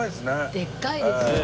でっかいですよ。